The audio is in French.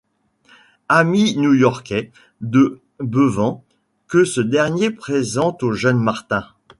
Amis new-yorkais de Bevan que ce dernier présente au jeune Martin.